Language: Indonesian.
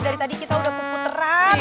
dari tadi kita udah pukul terat